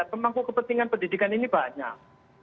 pemangku kepentingan pendidikan ini banyak